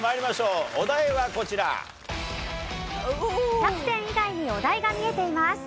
キャプテン以外にお題が見えています。